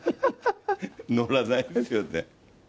載らないですよね。